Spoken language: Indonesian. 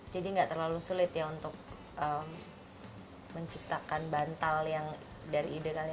jadi nggak terlalu sulit ya untuk menciptakan bantal yang dari ide kalian ini